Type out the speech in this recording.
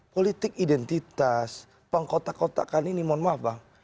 politik identitas pengkotak kotakan ini mohon maaf bang